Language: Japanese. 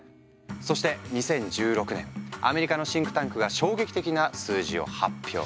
そして２０１６年アメリカのシンクタンクが衝撃的な数字を発表。